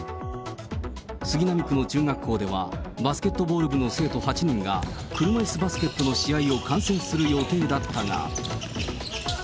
杉並区の中学校では、バスケットボール部の生徒８人が、車いすバスケットの試合を観戦する予定だったが。